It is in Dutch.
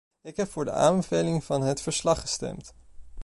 Ik heb voor de aanbevelingen van het verslag gestemd.